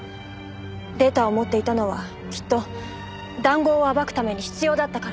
データを持っていたのはきっと談合を暴くために必要だったからです。